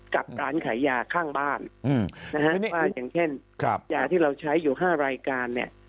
กับร้านขายยาข้างบ้านนะฮะว่าอย่างเช่นยาที่เราใช้อยู่๕รายการเนี่ย